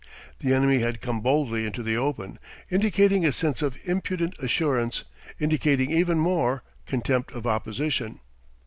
The enemy had come boldly into the open, indicating a sense of impudent assurance, indicating even more, contempt of opposition.